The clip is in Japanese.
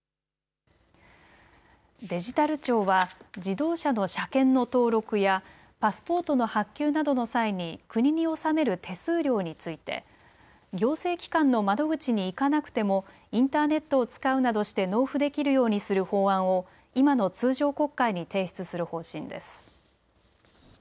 デジタル庁は自動車の車検の登録やパスポートの発給などの際に国に納める手数料について行政機関の窓口に行かなくてもインターネットを使うなどして納付できるようにする法案を今の通常国会に提出する方針です。